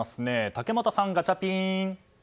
竹俣さん、ガチャピン！